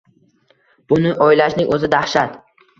Buni oʻylashning oʻzi dahshat